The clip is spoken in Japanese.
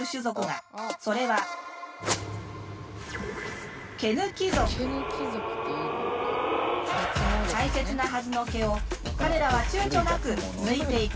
それは大切なはずの毛を彼らはちゅうちょなく抜いていく。